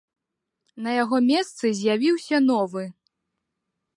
На яго месцы з'явіўся новы.